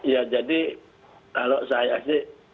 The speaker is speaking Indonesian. ya jadi kalau saya sih